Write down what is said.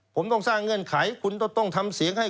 ผมต้องสร้างเงื่อนไขคุณต้องทำเสียงให้